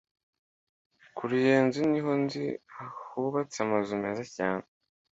kuruyenzi niho nzi hubatse amazu meza cyane